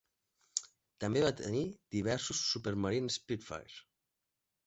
També va tenir diversos Supermarine Spitfires.